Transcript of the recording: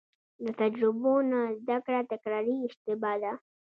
له تجربو نه زده کړه تکراري اشتباه ده.